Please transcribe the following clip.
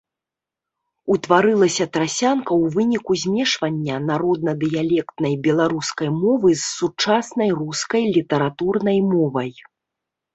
Утварылася трасянка ў выніку змешвання народна-дыялектнай беларускай мовы з сучаснай рускай літаратурнай мовай.